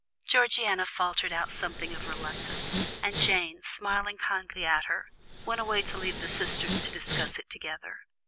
Georgiana faltered out something of reluctance, and Jane, smiling kindly at her, went away to leave the sisters to discuss it together.